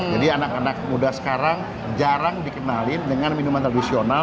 jadi anak anak muda sekarang jarang dikenalin dengan minuman tradisional